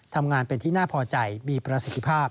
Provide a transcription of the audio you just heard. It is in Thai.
ทำงานเป็นที่น่าพอใจมีประสิทธิภาพ